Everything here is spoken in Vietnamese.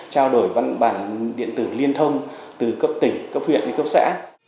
trao đổi văn bản điện tử liên thông từ cấp tỉnh cấp huyện đến cấp xã